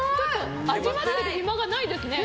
味わっている暇がないですね。